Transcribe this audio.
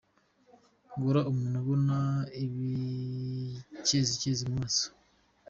Guhora umuntu abona ibikezikezi mu maso.